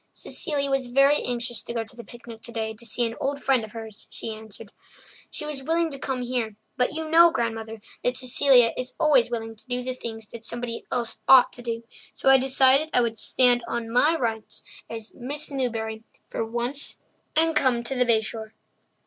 "Cecilia was very anxious to go to the picnic today to see an old friend of hers," she answered. "She was willing to come here, but you know, Grandmother, that Cecilia is always willing to do the things somebody else ought to do, so I decided I would stand on my rights as 'Miss Newbury' for once and come to the Bay Shore."